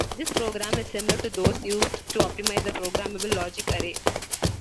This program is similar to those used to optimize a programmable logic array.